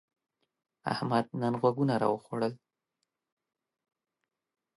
احمد نن غوږونه راوخوړل.